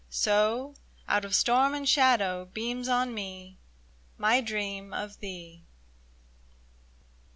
So, out of storm and shadow, beams on me My dream of thee